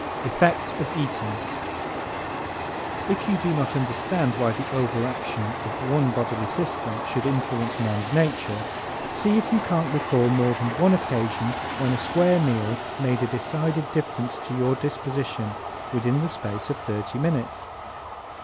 Effect of Eating ¶ If you do not understand why the overaction of one bodily system should influence a man's nature see if you can't recall more than one occasion when a square meal made a decided difference in your disposition within the space of thirty minutes.